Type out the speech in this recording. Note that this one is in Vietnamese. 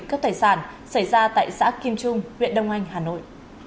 cướp tài sản xảy ra tại xã kim trung huyện đông anh hà nội